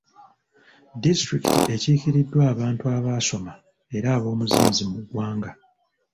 Disitulikiti ekiikiriddwa abantu abaasoma era ab'omuzinzi mu ggwanga.